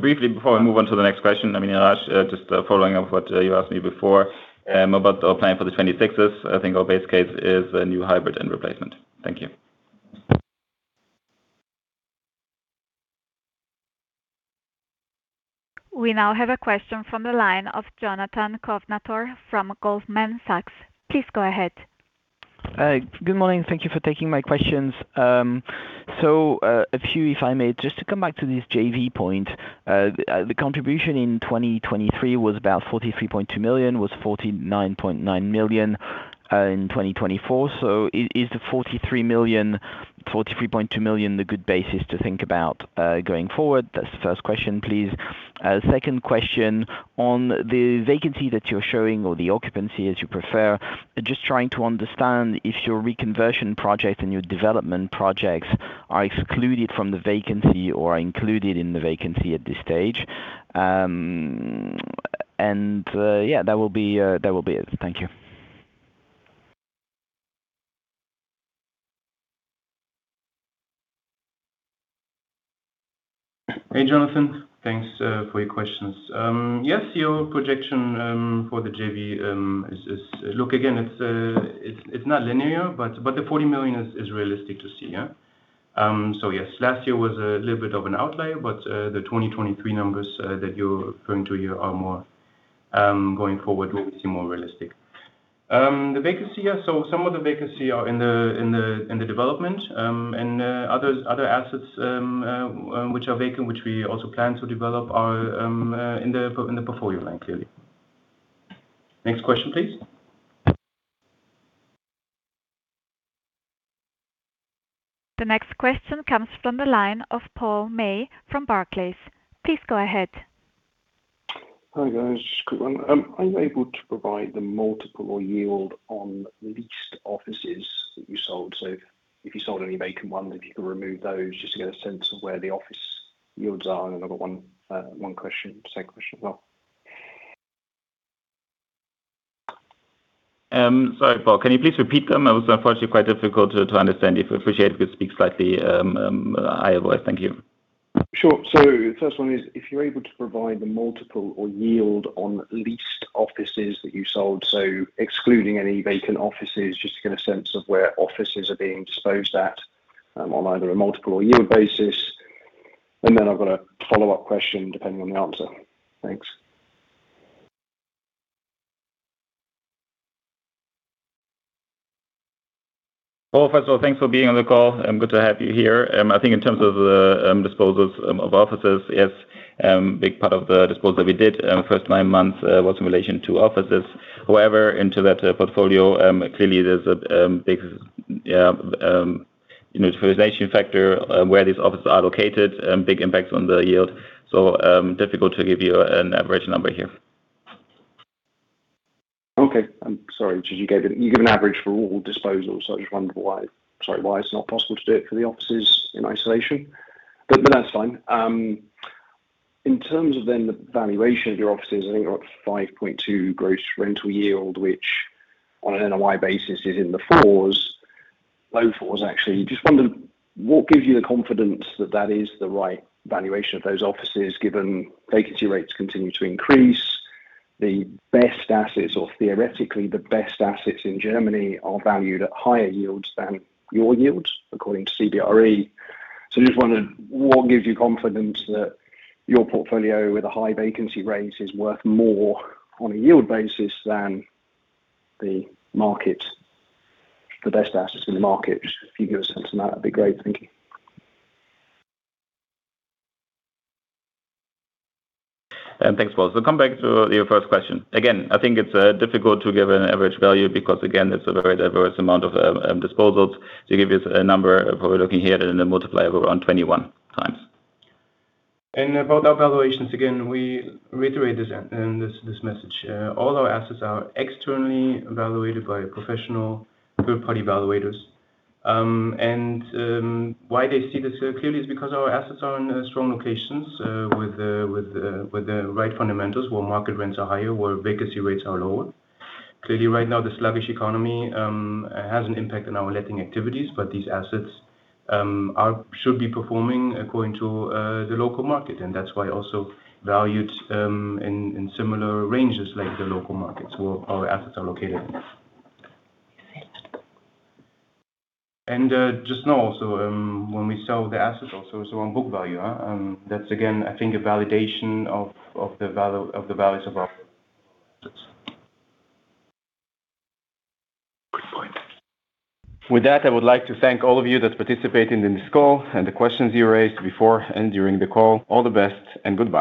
Briefly, before I move on to the next question, I mean, Nehrae, just following up on what you asked me before about our plan for the 26s, I think our base case is a new hybrid and replacement. Thank you. We now have a question from the line of Jonathan Kovnator from Goldman Sachs. Please go ahead. Good morning. Thank you for taking my questions. A few, if I may, just to come back to this JV point. The contribution in 2023 was about 43.2 million, was 49.9 million in 2024. Is the 43.2 million the good basis to think about going forward? That is the first question, please. Second question, on the vacancy that you are showing or the occupancy, as you prefer, just trying to understand if your reconversion project and your development projects are excluded from the vacancy or are included in the vacancy at this stage. That will be it. Thank you. Hey, Jonathan. Thanks for your questions. Yes, your projection for the JV is, look, again, it's not linear, but the 40 million is realistic to see. Yes, last year was a little bit of an outlay, but the 2023 numbers that you're referring to here are more going forward, we see more realistic. The vacancy, yes. Some of the vacancy are in the development, and other assets which are vacant, which we also plan to develop, are in the portfolio line clearly. Next question, please. The next question comes from the line of Paul May from Barclays. Please go ahead. Hi guys. Just a quick one. Are you able to provide the multiple or yield on leased offices that you sold? If you sold any vacant ones, if you could remove those just to get a sense of where the office yields are. I have got one question, second question as well. Sorry, Paul. Can you please repeat them? I was unfortunately quite difficult to understand. If you appreciate it, please speak slightly higher voice. Thank you. Sure. The first one is, if you're able to provide the multiple or yield on leased offices that you sold, excluding any vacant offices, just to get a sense of where offices are being disposed at on either a multiple or yield basis. I have a follow-up question depending on the answer. Thanks. Paul, first of all, thanks for being on the call. Good to have you here. I think in terms of the disposals of offices, yes, a big part of the disposal that we did in the first nine months was in relation to offices. However, into that portfolio, clearly there's a big utilization factor where these offices are located, big impacts on the yield. Difficult to give you an average number here. Okay. I'm sorry. You give an average for all disposals, so I just wondered why, sorry, why it's not possible to do it for the offices in isolation. That's fine. In terms of then the valuation of your offices, I think you're up to 5.2% gross rental yield, which on an NOI basis is in the fours, low fours actually. I just wondered, what gives you the confidence that that is the right valuation of those offices given vacancy rates continue to increase? The best assets, or theoretically the best assets in Germany, are valued at higher yields than your yields according to CBRE. I just wondered, what gives you confidence that your portfolio with a high vacancy rate is worth more on a yield basis than the market, the best assets in the market? If you give us a sense of that, that'd be great. Thank you. Thanks, Paul. Coming back to your first question. Again, I think it's difficult to give an average value because, again, it's a very diverse amount of disposals. To give you a number, we're looking here at a multiplier of around 21 times. About our valuations, again, we reiterate this message. All our assets are externally valuated by professional third-party valuators. They see this clearly because our assets are in strong locations with the right fundamentals, where market rents are higher, where vacancy rates are lower. Clearly, right now, the sluggish economy has an impact on our letting activities, but these assets should be performing according to the local market. That is why they are also valued in similar ranges like the local markets where our assets are located. Just know also when we sell the assets, also as our book value. That is, again, I think a validation of the values of our assets. Good point. With that, I would like to thank all of you that participated in this call and the questions you raised before and during the call. All the best and goodbye.